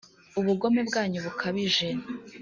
ubugome bwanyu bukabije;